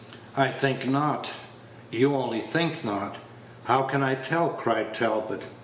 "I think not." "You only think not." "How can I tell!" cried Talbot.